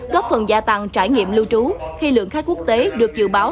góp phần gia tăng trải nghiệm lưu trú khi lượng khách quốc tế được dự báo